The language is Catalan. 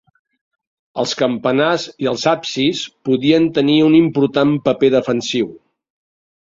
Els campanars i els absis podien tenir un important paper defensiu.